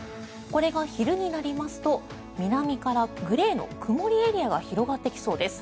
これが昼になりますと南からグレーの曇りエリアが広がってきそうです。